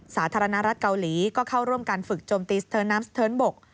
สาธารณรัฐเกาหลีก็เข้าร่วมการฝึกโจมตีสะเทินน้ำสเทิร์นบก